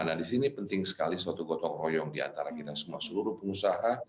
nah di sini penting sekali suatu gotong royong diantara kita semua seluruh pengusaha